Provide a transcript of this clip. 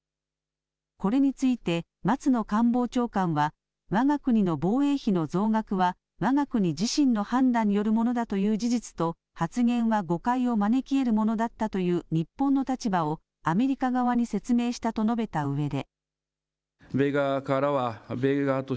これについて松野官房長官はわが国の防衛費の増額はわが国自身の判断によるものだという事実と発言は誤解を招きえるものだったという日本の立場をアメリカ側に説明したと述べたうえで。